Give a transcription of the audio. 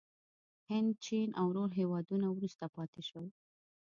هند، چین او نور هېوادونه وروسته پاتې شول.